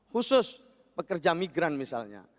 khusus pekerja migran misalnya